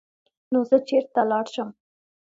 نو زۀ چرته لاړ شم ـ